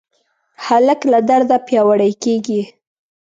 هلک له درده پیاوړی کېږي.